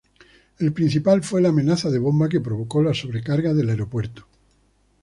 El principal fue la amenaza de bomba que provocó la sobrecarga del aeropuerto.